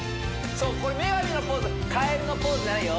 そうこれ女神のポーズカエルのポーズじゃないよ